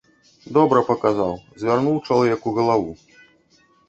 Добра паказаў, звярнуў чалавеку галаву.